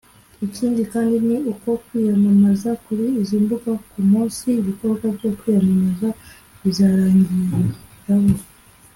Ikindi kandi ni uko kwiyamamaza kuri izi mbuga ku munsi ibikorwa byo kwiyamamaza bizarangiraho